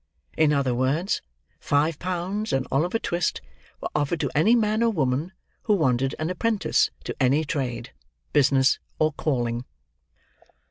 In other words, five pounds and Oliver Twist were offered to any man or woman who wanted an apprentice to any trade, business, or calling.